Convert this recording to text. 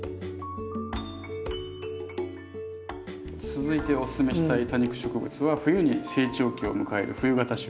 続いておススメしたい多肉植物は冬に成長期を迎える冬型種。